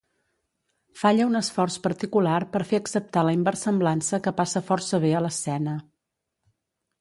Falla un esforç particular per fer acceptar la inversemblança que passa força bé a l'escena.